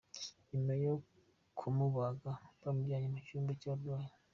Nyuma yo kumubaga bamujyanye mu cyumba cy’abarwayi.